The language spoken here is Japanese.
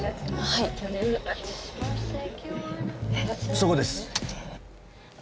そこです。